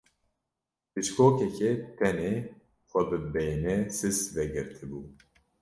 Bişkokeke tenê xwe bi benê sist ve girtibû.